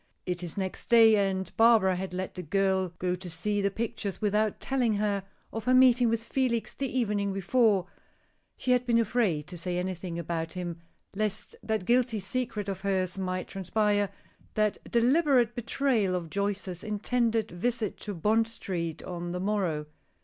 It is next day, and Barbara had let the girl go to see the pictures without telling her of her meeting with Felix the evening before; she had been afraid to say anything about him lest that guilty secret of hers might transpire that deliberate betrayal of Joyce's intended visit to Bond street on the morrow.